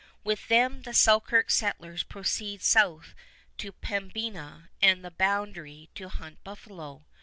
With them the Selkirk settlers proceed south to Pembina and the Boundary to hunt buffalo.